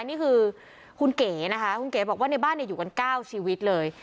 นี่คือคุณเก๋นะคะคุณเก๋บอกว่าในบ้านอยู่กัน๙ชีวิตเลย